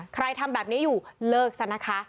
ทำแบบนี้อยู่เลิกซะนะคะ